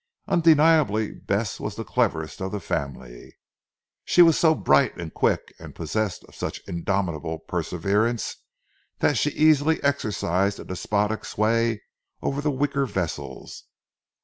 Undeniably Bess was the cleverest of the family. She was so bright and quick, and possessed of such indomitable perseverance, that she easily exercised a despotic sway over the weaker vessels.